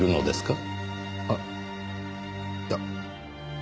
あっいや。